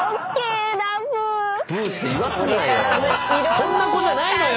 こんな子じゃないのよ